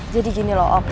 jadi gini loh om